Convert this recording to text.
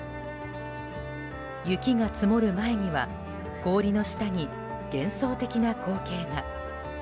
雪が積もる前には氷の下に幻想的な光景が。